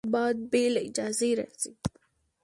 باد بې له اجازې راځي